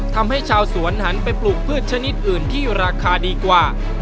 ทำให้ชาวสวนหันไปปลูกพืชชนิดอื่นที่ราคาดีกว่า